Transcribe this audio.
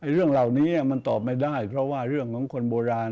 เรื่องเหล่านี้มันตอบไม่ได้เพราะว่าเรื่องของคนโบราณ